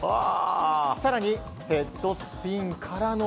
更にヘッドスピンからの。